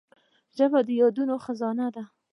ژبه د یادونو خزانه ده